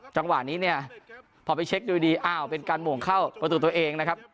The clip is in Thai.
จังหวะนี้เนี่ยพอไปเช็คดูดีอ้าวเป็นการหม่งเข้าประตูตัวเองนะครับ